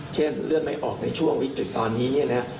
เช่นเลือดไม่ออกในช่วงวิกฤตตอนนี้เนี่ยนะ